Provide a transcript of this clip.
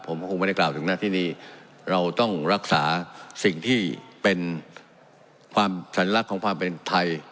ผมก็คงไม่ได้กล่าวถึงหน้าที่นี้เราต้องรักษาสิ่งที่เป็นความสัญลักษณ์ของความเป็นไทย